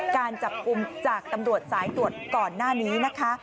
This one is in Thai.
การจับกลุ่มจากตำรวจสายตรวจก่อนหน้านี้นะคะ